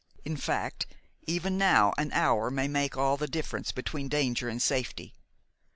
In fact, even now an hour may make all the difference between danger and safety.